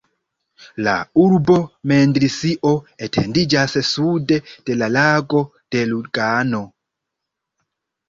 La urbo mendrisio etendiĝas sude de la Lago de Lugano.